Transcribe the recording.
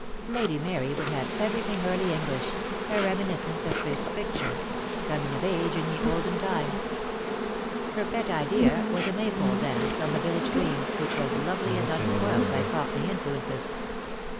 Lady Mary would have everything early English, a reminiscence of Frith's picture, "Coming of age in ye olden time." Her pet idea was a Maypole dance on the village green, which was lovely and unspoilt by cockney influences.